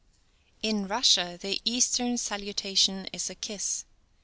In Russia, the Easter salutation is a kiss.